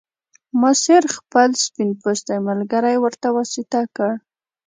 ماسیر خپل سپین پوستی ملګری ورته واسطه کړ.